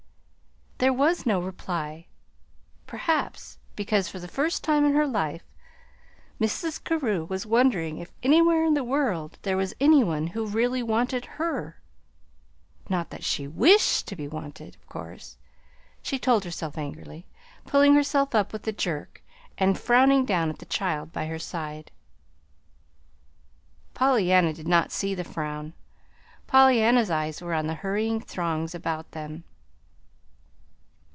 There was no reply perhaps because for the first time in her life Mrs. Carew was wondering if anywhere in the world there was any one who really wanted her not that she WISHED to be wanted, of course, she told herself angrily, pulling herself up with a jerk, and frowning down at the child by her side. Pollyanna did not see the frown. Pollyanna's eyes were on the hurrying throngs about them.